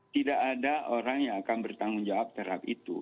tidak ada orang yang akan bertanggung jawab terhadap itu